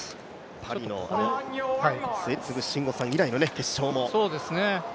パリの末續慎吾さん以来の決勝も。